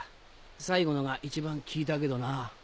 最後のが一番効いたけどな。